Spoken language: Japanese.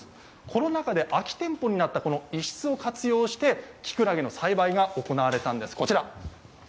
コロナ禍で空き店舗になったこの一室を活用して、きくらげの栽培が行われたんです、こちら。